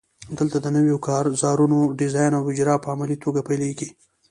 دلته د نویو کارزارونو ډیزاین او اجرا په عملي توګه پیلیږي.